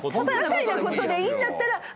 ささいなことでいいんだったら。